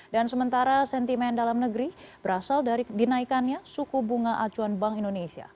dan sementara sentimen dalam negeri berasal dari dinaikannya suku bunga acuan bank indonesia